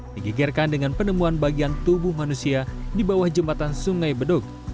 digigirkan dengan penemuan bagian tubuh manusia di bawah jembatan sungai beduk